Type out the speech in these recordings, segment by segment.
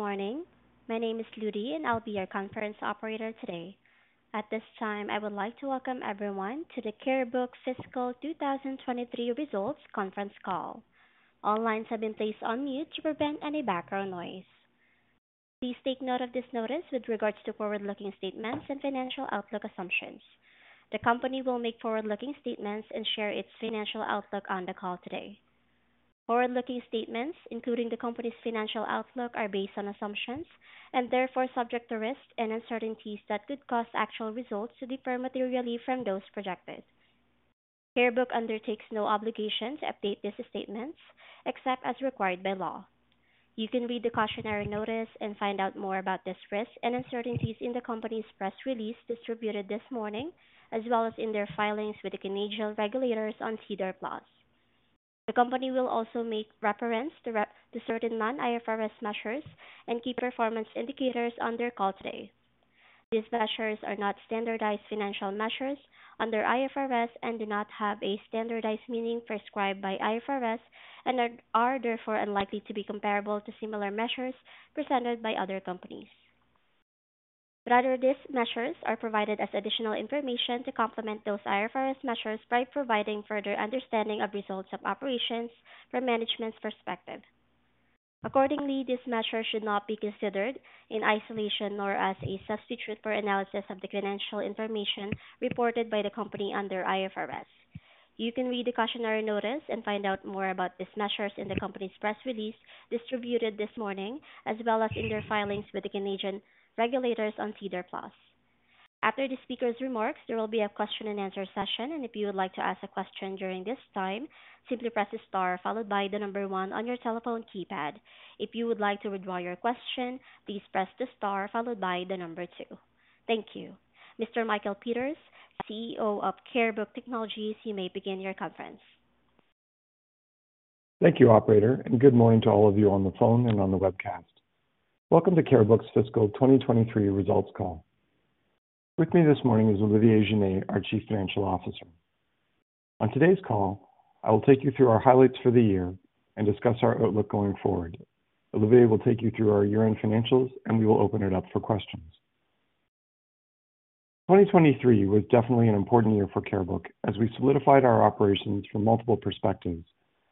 Good morning. My name is Ludy, and I'll be your conference operator today. At this time, I would like to welcome everyone to the Carebook Fiscal 2023 Results Conference Call. All lines have been placed on mute to prevent any background noise. Please take note of this notice with regards to forward-looking statements and financial outlook assumptions. The company will make forward-looking statements and share its financial outlook on the call today. Forward-looking statements, including the company's financial outlook, are based on assumptions and therefore subject to risks and uncertainties that could cause actual results to differ materially from those projected. Carebook undertakes no obligation to update these statements except as required by law. You can read the cautionary notice and find out more about this risk and uncertainties in the company's press release distributed this morning, as well as in their filings with the Canadian regulators on SEDAR+. The company will also make reference to certain non-IFRS measures and key performance indicators on their call today. These measures are not standardized financial measures under IFRS and do not have a standardized meaning prescribed by IFRS and are therefore unlikely to be comparable to similar measures presented by other companies. Rather, these measures are provided as additional information to complement those IFRS measures by providing further understanding of results of operations from management's perspective. Accordingly, this measure should not be considered in isolation or as a substitute for analysis of the financial information reported by the company under IFRS. You can read the cautionary notice and find out more about these measures in the company's press release distributed this morning, as well as in their filings with the Canadian regulators on SEDAR+. After the speaker's remarks, there will be a question and answer session, and if you would like to ask a question during this time, simply press star followed by the number one on your telephone keypad. If you would like to withdraw your question, please press the star followed by the number two. Thank you. Mr. Michael Peters, CEO of Carebook Technologies, you may begin your conference. Thank you, operator, and good morning to all of you on the phone and on the webcast. Welcome to Carebook's Fiscal 2023 Results Call. With me this morning is Olivier Giner, our Chief Financial Officer. On today's call, I will take you through our highlights for the year and discuss our outlook going forward. Olivier will take you through our year-end financials, and we will open it up for questions. 2023 was definitely an important year for Carebook as we solidified our operations from multiple perspectives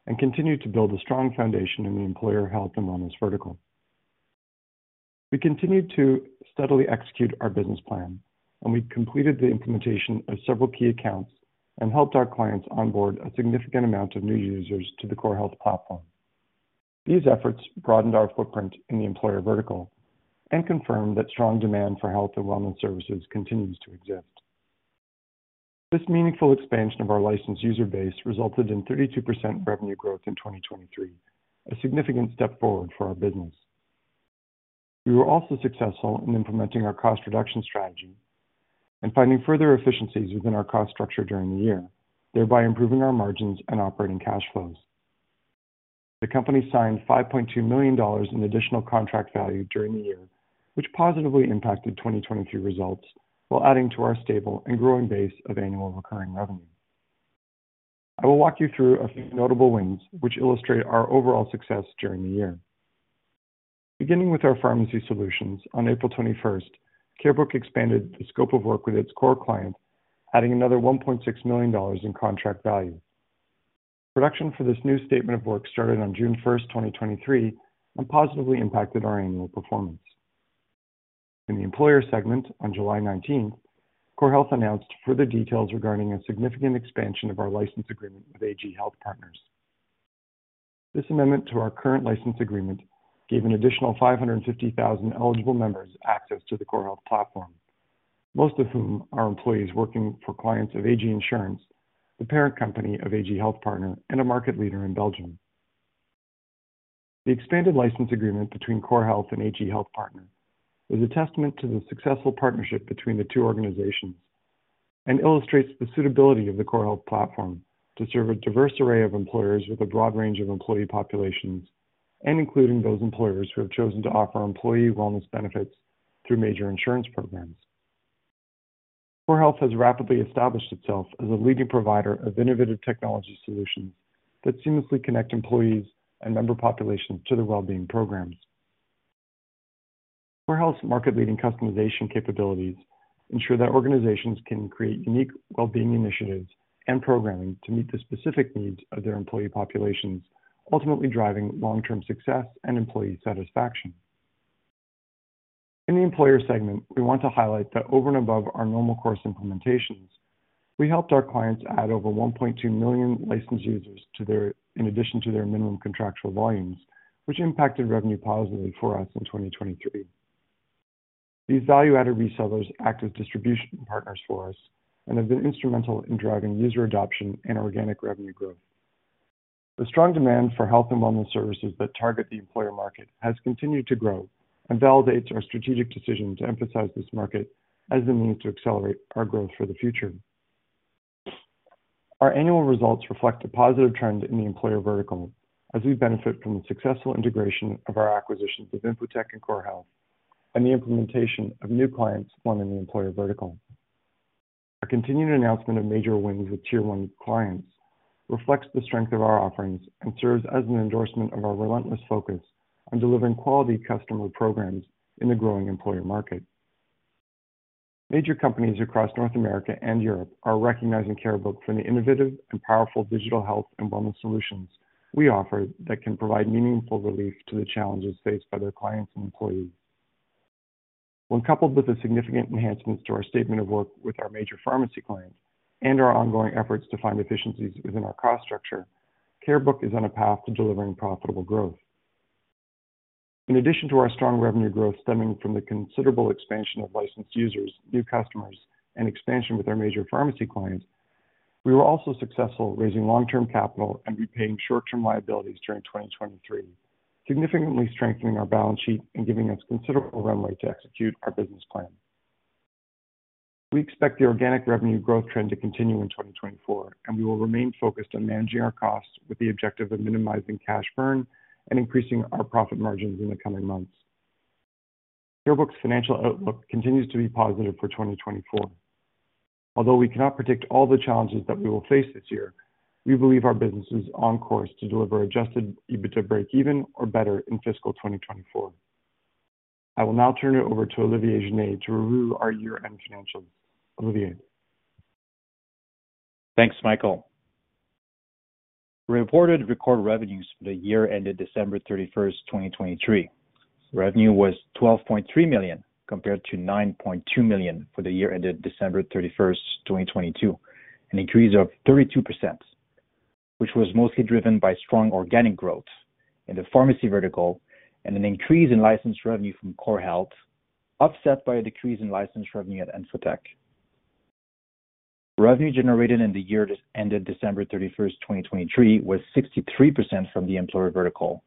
and continued to build a strong foundation in the employer health and wellness vertical. We continued to steadily execute our business plan, and we completed the implementation of several key accounts and helped our clients onboard a significant amount of new users to the CoreHealth platform. These efforts broadened our footprint in the employer vertical and confirmed that strong demand for health and wellness services continues to exist. This meaningful expansion of our licensed user base resulted in 32% revenue growth in 2023, a significant step forward for our business. We were also successful in implementing our cost reduction strategy and finding further efficiencies within our cost structure during the year, thereby improving our margins and operating cash flows. The company signed 5.2 million dollars in additional contract value during the year, which positively impacted 2023 results, while adding to our stable and growing base of annual recurring revenue. I will walk you through a few notable wins which illustrate our overall success during the year. Beginning with our pharmacy solutions, on April 21st, Carebook expanded the scope of work with its core clients, adding another 1.6 million dollars in contract value. Production for this new statement of work started on June 1st, 2023, and positively impacted our annual performance. In the employer segment, on July 19th, CoreHealth announced further details regarding a significant expansion of our license agreement with AG Health Partner. This amendment to our current license agreement gave an additional 550,000 eligible members access to the CoreHealth platform, most of whom are employees working for clients of AG Insurance, the parent company of AG Health Partner and a market leader in Belgium. The expanded license agreement between CoreHealth and AG Health Partner is a testament to the successful partnership between the two organizations and illustrates the suitability of the CoreHealth platform to serve a diverse array of employers with a broad range of employee populations, and including those employers who have chosen to offer employee wellness benefits through major insurance programs. CoreHealth has rapidly established itself as a leading provider of innovative technology solutions that seamlessly connect employees and member populations to their well-being programs. CoreHealth's market-leading customization capabilities ensure that organizations can create unique well-being initiatives and programming to meet the specific needs of their employee populations, ultimately driving long-term success and employee satisfaction. In the employer segment, we want to highlight that over and above our normal course implementations, we helped our clients add over 1.2 million licensed users to their... In addition to their minimum contractual volumes, which impacted revenue positively for us in 2023. These value-added resellers act as distribution partners for us and have been instrumental in driving user adoption and organic revenue growth. The strong demand for health and wellness services that target the employer market has continued to grow and validates our strategic decision to emphasize this market as the means to accelerate our growth for the future. Our annual results reflect a positive trend in the employer vertical as we benefit from the successful integration of our acquisitions of InfoTech and CoreHealth and the implementation of new clients forming the employer vertical. Our continued announcement of major wins with tier one clients reflects the strength of our offerings and serves as an endorsement of our relentless focus on delivering quality customer programs in the growing employer market. Major companies across North America and Europe are recognizing Carebook for the innovative and powerful digital health and wellness solutions we offer that can provide meaningful relief to the challenges faced by their clients and employees. When coupled with the significant enhancements to our statement of work with our major pharmacy client and our ongoing efforts to find efficiencies within our cost structure, Carebook is on a path to delivering profitable growth. In addition to our strong revenue growth stemming from the considerable expansion of licensed users, new customers, and expansion with our major pharmacy clients, we were also successful raising long-term capital and repaying short-term liabilities during 2023, significantly strengthening our balance sheet and giving us considerable runway to execute our business plan. We expect the organic revenue growth trend to continue in 2024, and we will remain focused on managing our costs with the objective of minimizing cash burn and increasing our profit margins in the coming months. Carebook's financial outlook continues to be positive for 2024. Although we cannot predict all the challenges that we will face this year, we believe our business is on course to deliver Adjusted EBITDA breakeven or better in fiscal 2024. I will now turn it over to Olivier Giner to review our year-end financials. Olivier? Thanks, Michael. Reported record revenues for the year ended December 31, 2023. Revenue was 12.3 million, compared to 9.2 million for the year ended December 31, 2022, an increase of 32%, which was mostly driven by strong organic growth in the pharmacy vertical and an increase in licensed revenue from CoreHealth, offset by a decrease in licensed revenue at InfoTech. Revenue generated in the year that ended December 31, 2023, was 63% from the employer vertical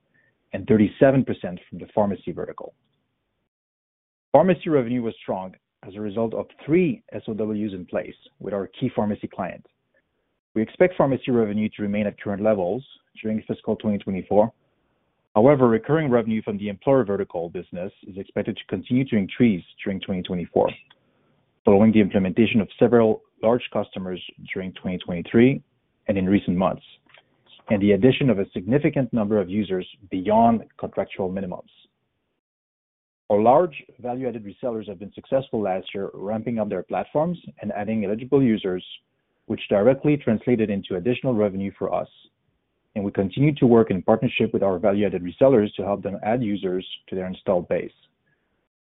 and 37% from the pharmacy vertical. Pharmacy revenue was strong as a result of three SOWs in place with our key pharmacy client. We expect pharmacy revenue to remain at current levels during fiscal 2024. However, recurring revenue from the employer vertical business is expected to continue to increase during 2024, following the implementation of several large customers during 2023 and in recent months, and the addition of a significant number of users beyond contractual minimums. Our large value-added resellers have been successful last year, ramping up their platforms and adding eligible users, which directly translated into additional revenue for us, and we continue to work in partnership with our value-added resellers to help them add users to their installed base.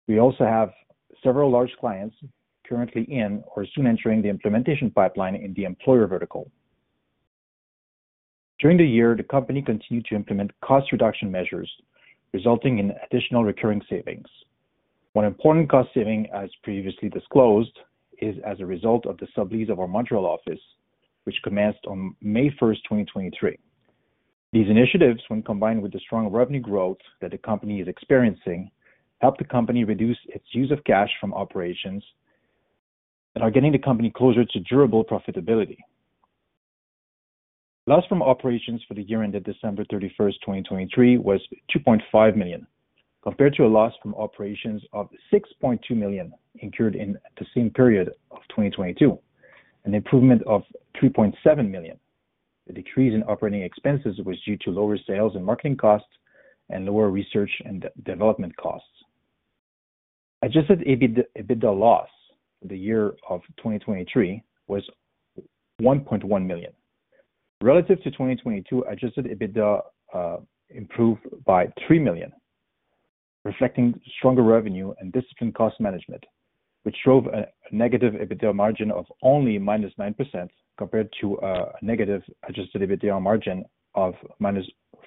We also have several large clients currently in or soon entering the implementation pipeline in the employer vertical. During the year, the company continued to implement cost reduction measures, resulting in additional recurring savings. One important cost saving, as previously disclosed, is as a result of the sublease of our Montreal office, which commenced on May 1, 2023. These initiatives, when combined with the strong revenue growth that the company is experiencing, helped the company reduce its use of cash from operations and are getting the company closer to durable profitability. Loss from operations for the year ended December 31, 2023, was 2.5 million, compared to a loss from operations of 6.2 million incurred in the same period of 2022, an improvement of 3.7 million. The decrease in operating expenses was due to lower sales and marketing costs and lower research and development costs. Adjusted EBITDA loss for the year of 2023 was 1.1 million. Relative to 2022, Adjusted EBITDA improved by 3 million, reflecting stronger revenue and disciplined cost management, which drove a negative EBITDA margin of only -9% compared to a negative Adjusted EBITDA margin of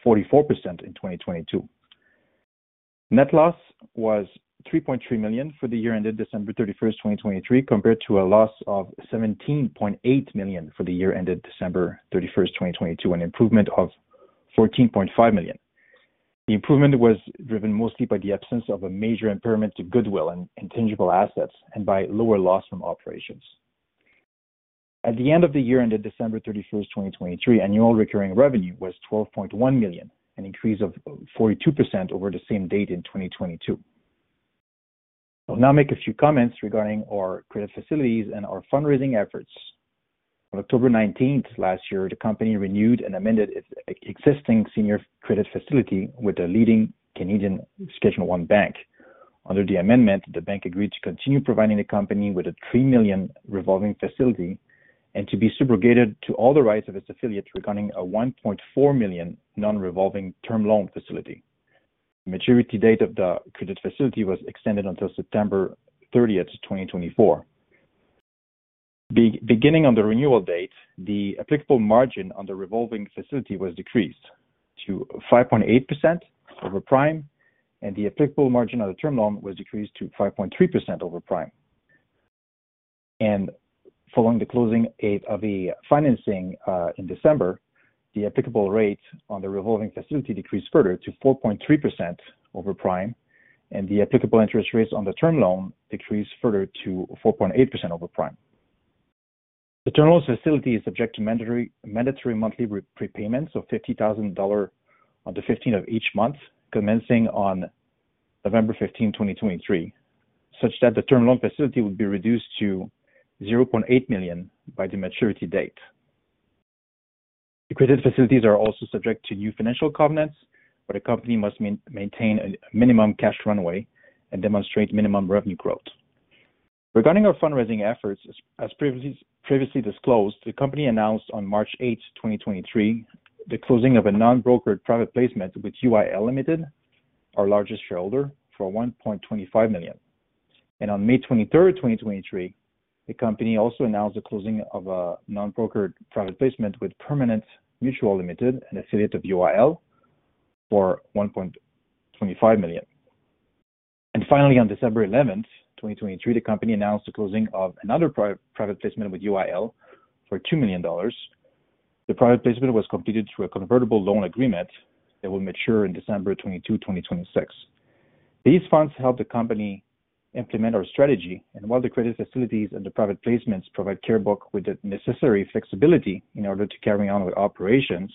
-44% in 2022. Net loss was 3.3 million for the year ended December 31, 2023, compared to a loss of 17.8 million for the year ended December 31, 2022, an improvement of 14.5 million. The improvement was driven mostly by the absence of a major impairment to goodwill and intangible assets and by lower loss from operations. At the end of the year ended December 31, 2023, annual recurring revenue was 12.1 million, an increase of 42% over the same date in 2022. I'll now make a few comments regarding our credit facilities and our fundraising efforts. On October 19 last year, the company renewed and amended its existing senior credit facility with a leading Canadian Schedule I bank. Under the amendment, the bank agreed to continue providing the company with a 3 million revolving facility and to be subrogated to all the rights of its affiliates regarding a 1.4 million non-revolving term loan facility. The maturity date of the credit facility was extended until September 30, 2024. Beginning on the renewal date, the applicable margin on the revolving facility was decreased to 5.8% over prime, and the applicable margin on the term loan was decreased to 5.3% over prime. Following the closing date of the financing in December, the applicable rate on the revolving facility decreased further to 4.3% over prime, and the applicable interest rates on the term loan decreased further to 4.8% over prime. The term loans facility is subject to mandatory monthly prepayments of 50,000 dollar on the 15th of each month, commencing on November 15, 2023, such that the term loan facility would be reduced to 0.8 million by the maturity date. The credit facilities are also subject to new financial covenants, where the company must maintain a minimum cash runway and demonstrate minimum revenue growth. Regarding our fundraising efforts, as previously disclosed, the company announced on March 8, 2023, the closing of a non-brokered private placement with UIL Limited, our largest shareholder, for 1.25 million. On May 23, 2023, the company also announced the closing of a non-brokered private placement with Permanent Mutual Limited, an affiliate of UIL, for 1.25 million. Finally, on December 11, 2023, the company announced the closing of another private placement with UIL for 2 million dollars. The private placement was completed through a convertible loan agreement that will mature in December 22, 2026. These funds help the company implement our strategy, and while the credit facilities and the private placements provide Carebook with the necessary flexibility in order to carrying on with operations,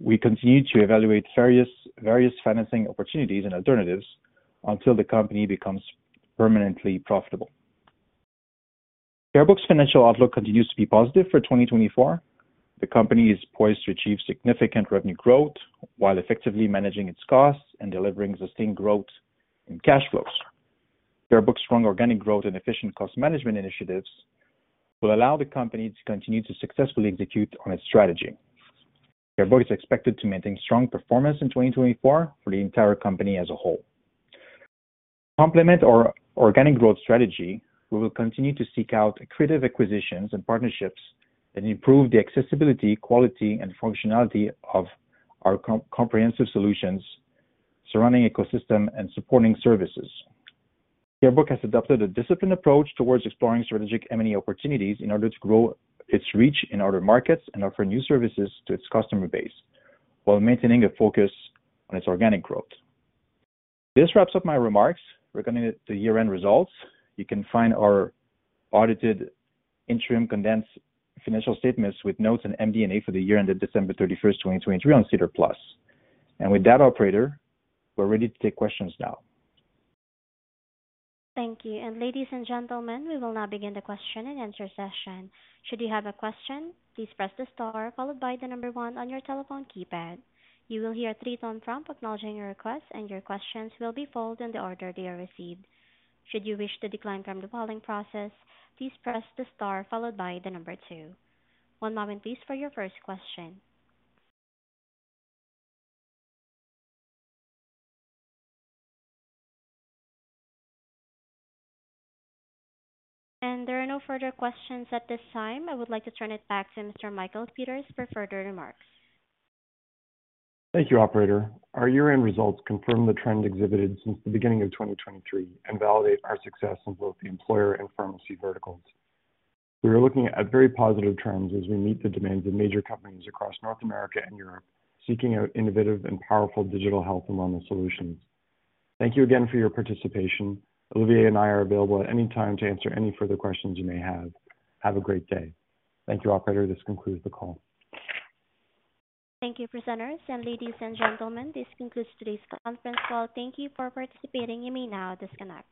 we continue to evaluate various financing opportunities and alternatives until the company becomes permanently profitable. Carebook's financial outlook continues to be positive for 2024. The company is poised to achieve significant revenue growth while effectively managing its costs and delivering sustained growth in cash flows. Carebook's strong organic growth and efficient cost management initiatives will allow the company to continue to successfully execute on its strategy. Carebook is expected to maintain strong performance in 2024 for the entire company as a whole. To complement our organic growth strategy, we will continue to seek out creative acquisitions and partnerships that improve the accessibility, quality, and functionality of our comprehensive solutions, surrounding ecosystem, and supporting services. Carebook has adopted a disciplined approach towards exploring strategic M&A opportunities in order to grow its reach in other markets and offer new services to its customer base, while maintaining a focus on its organic growth. This wraps up my remarks regarding the year-end results. You can find our audited interim condensed financial statements with notes and MD&A for the year ended December 31, 2023, on SEDAR+. And with that, operator, we're ready to take questions now. Thank you. Ladies and gentlemen, we will now begin the question and answer session. Should you have a question, please press the star followed by the number one on your telephone keypad. You will hear a three-tone prompt acknowledging your request, and your questions will be followed in the order they are received. Should you wish to decline from the polling process, please press the star followed by the number two. One moment please, for your first question. There are no further questions at this time. I would like to turn it back to Mr. Michael Peters for further remarks. Thank you, operator. Our year-end results confirm the trend exhibited since the beginning of 2023 and validate our success in both the employer and pharmacy verticals. We are looking at very positive trends as we meet the demands of major companies across North America and Europe, seeking out innovative and powerful digital health and wellness solutions. Thank you again for your participation. Olivier and I are available at any time to answer any further questions you may have. Have a great day. Thank you, operator. This concludes the call. Thank you, presenters, and ladies and gentlemen, this concludes today's conference call. Thank you for participating. You may now disconnect.